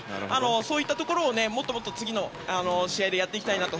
そういったところをもっともっと次の試合でやっていきたいなと。